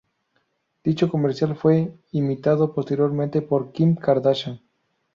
Dicho comercial fue imitado posteriormente por Kim Kardashian.